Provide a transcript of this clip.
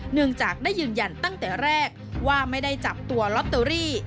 เนื่องจากได้ยืนยันตั้งแต่แรกว่าไม่ได้จับตัวลอตเตอรี่